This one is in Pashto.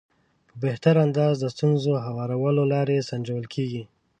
په بهتر انداز د ستونزې هوارولو لارې سنجول کېږي.